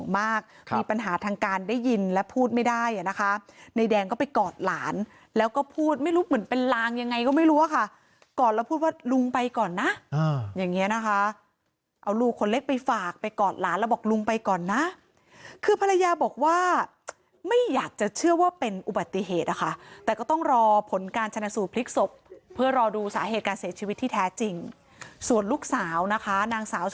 มากมีปัญหาทางการได้ยินและพูดไม่ได้อ่ะนะคะในแดงก็ไปกอดหลานแล้วก็พูดไม่รู้เหมือนเป็นลางยังไงก็ไม่รู้อะค่ะกอดแล้วพูดว่าลุงไปก่อนนะอย่างเงี้ยนะคะเอาลูกคนเล็กไปฝากไปกอดหลานแล้วบอกลุงไปก่อนนะคือภรรยาบอกว่าไม่อยากจะเชื่อว่าเป็นอุบัติเหตุนะคะแต่ก็ต้องรอผลการชนะสูตรพลิกศพเพื่อรอดูสาเหตุการเสียชีวิตที่แท้จริงส่วนลูกสาวนะคะนางสาว